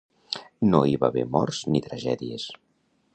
No hi va haver morts ni tragèdies.